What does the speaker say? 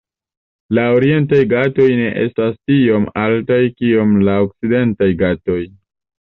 La Orientaj Ghatoj ne estas tiom altaj kiom la Okcidentaj Ghatoj.